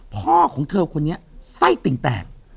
พ่อของเธอคนนี้ไส้ติ่งแตก